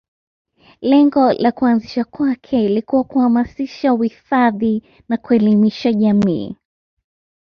Lengo la kuanzishwa kwake ilikuwa kuhamasisha uhifadhi na kuelimisha jamii